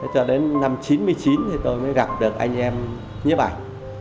cho đến năm chín mươi chín thì tôi mới gặp được anh em nhiếp ảnh